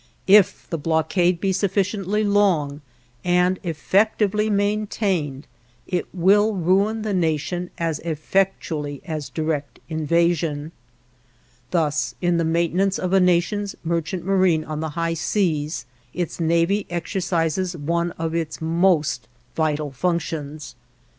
If the blockade be sufficiently long, and effectively maintained, it will ruin the nation as effectually as direct invasion. Thus, in the maintenance of a nation's merchant marine on the high seas, its navy exercises one of its most vital functions.